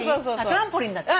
トランポリンだって。